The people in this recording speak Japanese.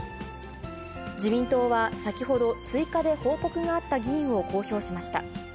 自民党は先ほど、追加で報告があった議員を公表しました。